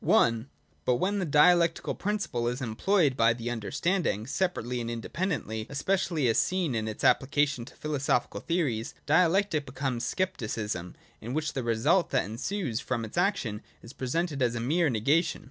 (i) But when the Dialectical principle is employed by the understanding separately and independently, — especially as seen in its application to philosophical theories, Dialectic becomes Scepticism ; in which the result that ensues from its action is presented as a mere negation.